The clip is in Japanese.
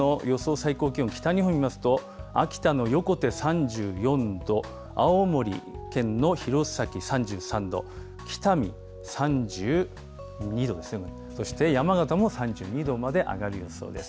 最高気温、北日本見ますと、秋田の横手３４度、青森県の弘前３３度、北見３２度ですね、そして山形も３２度まで上がる予想です。